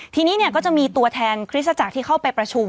๒๐คนเป็นต่างชาติ๑๗คน